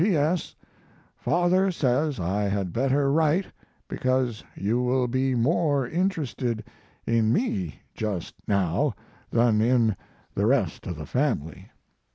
P. S. Father says I had better write because you will be more interested in me, just now, than in the rest of the family.